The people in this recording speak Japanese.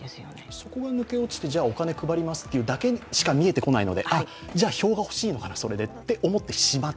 そこが抜け落ちて、お金配りますとだけしか見えてこないのでじゃ、それで票が欲しいのかなと思ってしまう。